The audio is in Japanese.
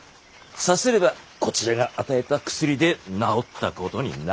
さすればこちらが与えた薬で治ったことになる。